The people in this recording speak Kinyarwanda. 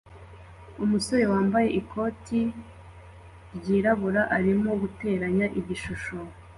Umusore wambaye ikoti ryirabura arimo guteranya igishusho